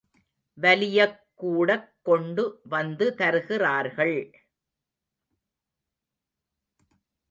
வலியக் கூடக் கொண்டு வந்து தருகிறார்கள்!